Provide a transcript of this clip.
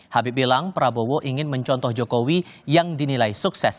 habib bilang prabowo ingin mencontoh jokowi yang dinilai sukses